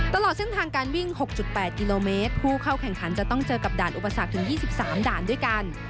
ตลอดเส้นทางการวิ่ง๖๘กิโลเมตรผู้เข้าแข่งขันจะต้องเจอกับด่านอุปสรรคถึง๒๓ด่านด้วยกัน